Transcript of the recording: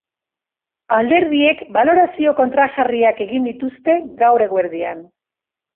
Alderdiek balorazio kontrajarriak egin dituzte gaur eguerdian.